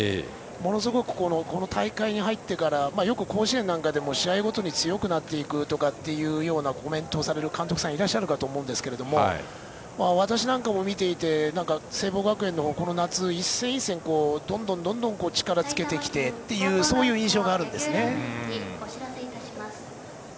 ものすごくこの大会に入ってからよく甲子園なんかでも試合ごとに強くなっていくというコメントをされる監督さんがいらっしゃると思うんですが私なんかも見ていて聖望学園はこの夏、一戦一戦と力をつけてきてという印象があるんですね。